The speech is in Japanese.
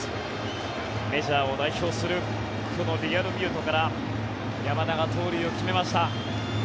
メジャーを代表するこのリアルミュートから山田が盗塁を決めました。